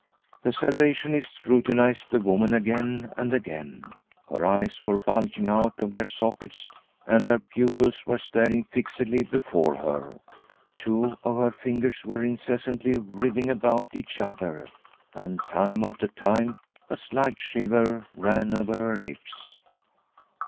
The Salvationist scrutinised the woman again and again. Her eyes were bulging out of their sockets and their pupils were staring fixedly before her ; two of her fingeTs were incessantly writhing about each other, and time after time a slight shiver ran over her lips.